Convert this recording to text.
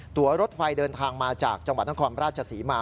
ตัวรถไฟเดินทางมาจากจังหวัดนครราชศรีมา